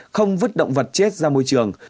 không vứt động vật chết ra môi trường